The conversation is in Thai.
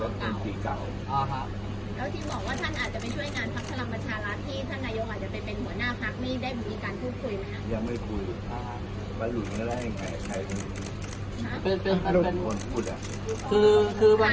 แล้วติ้งบอกว่าท่านอาจจะไม่ช่วยงานภักดิ์ครังประชาลัทธ์ที่ท่านระยกอ่าจะไปเป็นหัวหน้าภักรณ์